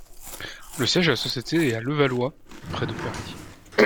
Le siège de la société est à Levallois, près de Paris.